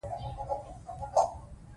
زه هڅه کوم نوی چلند جوړ کړم.